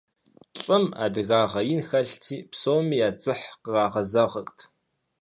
ЛӀым адыгагъэ ин хэлъти, псоми я дзыхь кърагъэзырт.